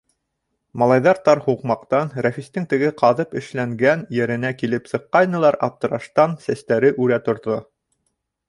Малайҙар тар һуҡмаҡтан Рәфистең теге ҡаҙып эшләнгән еренә килеп сыҡҡайнылар, аптыраштан сәстәре үрә торҙо.